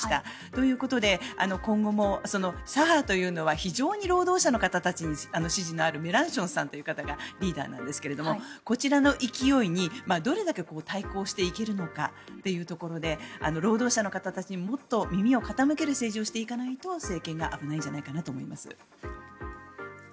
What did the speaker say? ということで、今後も左派というのは非常に労働者の方たちに支持のあるメランションさんという方がリーダーなんですがこちらの勢いにどれだけ対抗していけるのかというところで労働者の方たちにもっと耳を傾ける政治をしていかないと政権が危ないんじゃないかなと思います。